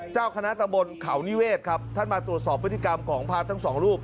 เจ้าคณะตำบลเขานิเวศครับท่านมาตรวจสอบพฤติกรรมของพระทั้งสองรูป